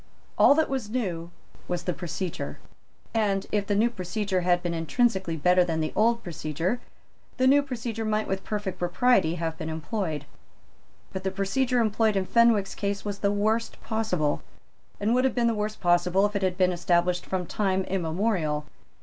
All that was new was the procedure; and, if the new procedure had been intrinsically better than the old procedure, the new procedure might with perfect propriety have been employed. But the procedure employed in Fenwick's case was the worst possible, and would have been the worst possible if it had been established from time immemorial.